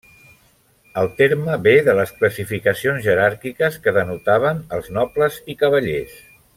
El terme ve de les classificacions jeràrquiques que denotaven els nobles i cavallers.